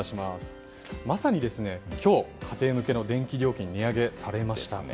まさに、今日家庭向けの電気料金が値上げされました。